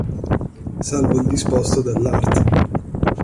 Salvo il disposto dell'art.